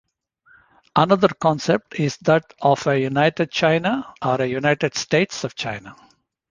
Another concept is that of a United China or a United States of China.